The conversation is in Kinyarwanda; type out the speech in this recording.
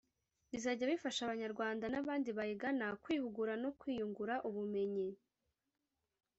bizajya bifasha Abanyarwanda n’abandi bayigana kwihugura no kwiyungura ubumenyi